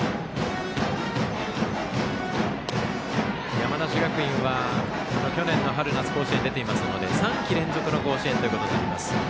山梨学院は去年の春夏甲子園出ていますので３季連続の甲子園ということになります。